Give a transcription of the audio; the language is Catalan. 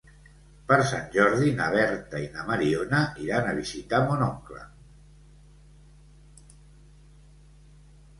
Per Sant Jordi na Berta i na Mariona iran a visitar mon oncle.